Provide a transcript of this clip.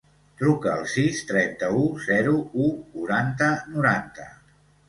Truca al sis, trenta-u, zero, u, quaranta, noranta.